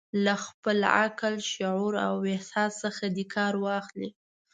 له خپل عقل، شعور او احساس څخه دې کار واخلي.